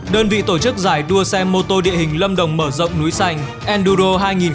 đơn vị tổ chức giải đua xe mô tô địa hình lâm đồng mở rộng núi xanh enduro hai nghìn hai mươi